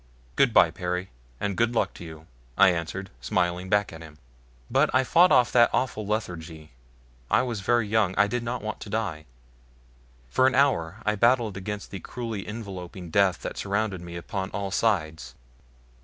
"Good bye, Perry, and good luck to you," I answered, smiling back at him. But I fought off that awful lethargy. I was very young I did not want to die. For an hour I battled against the cruelly enveloping death that surrounded me upon all sides.